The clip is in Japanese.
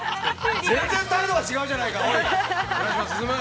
全然態度が違うじゃないか。